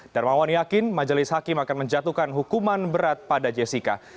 darmawan yakin majelis hakim akan menjatuhkan hukuman berat pada jessica